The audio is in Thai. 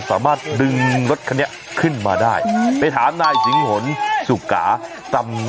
สามารถดึงรถคันนี้ขึ้นมาได้ไปถามนายสิงหนสุขาตำ